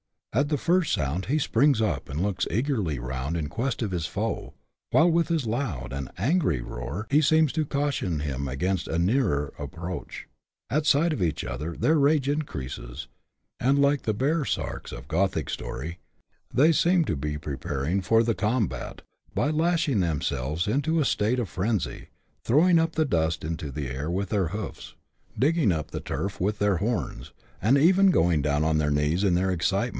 At the first sound he springs up and looks eagerly round in quest of his foe, while with his loud and angry roar he seems to caution him against a nearer approach ; at sight of each other their rage increases, and, like the Baresarks of Gothic story, they seem to be preparing for the combat, by lashing themselves into a state of frenzy, throwing up the dust into the air with their hoofs, digging up the turf with their horns, and even going down on their knees in their excitement, CHAP.